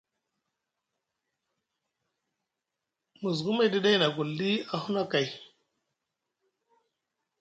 Musgum e ɗi ɗay na agulɗi a huna kai.